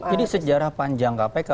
jadi sejarah panjang kpk